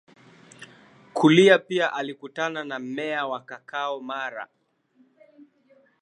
kulila Pia alikutana na mmea wa kakao mara